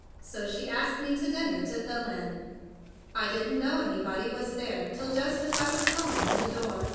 So she asked me to dinner to fill in. I didn't know anybody was there till just as I was going in the door.